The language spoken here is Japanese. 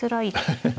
ハハハ。